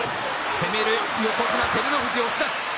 攻める、横綱・照ノ富士、押し出し。